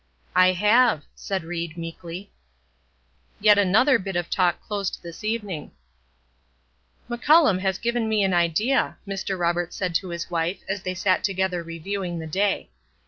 "I have," said Ried, meekly. Yet another bit of talk closed this evening: "McCullum has given me an idea," Mr. Roberts said to his wife as they sat together reviewing the day.